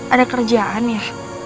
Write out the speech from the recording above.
ada kerjaan ya